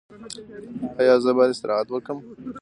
ایا زه باید استراحت وکړم؟